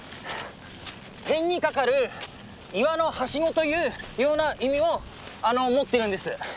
天に架かる岩のハシゴというような意味も持ってるんです。